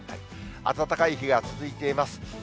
暖かい日が続いています。